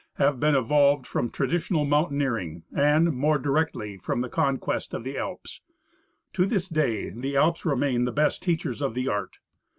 PREFACE have been evolved from traditional mountaineering, and, more directly, from the conquest of the Alps. To this day the Alps remain the best teachers of the art.